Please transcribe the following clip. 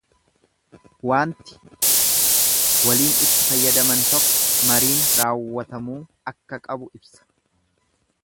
Waanti waliin itti fayyadaman tokko mariin raawwatamuu akka qabu ibsa.